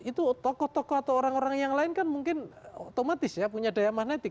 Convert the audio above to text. itu tokoh tokoh atau orang orang yang lain kan mungkin otomatis ya punya daya magnetik